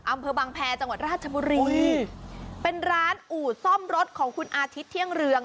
อำเภอบางแพรจังหวัดราชบุรีเป็นร้านอู่ซ่อมรถของคุณอาทิตย์เที่ยงเรือง